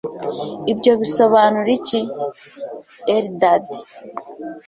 ibyo bisobanura iki? (eldad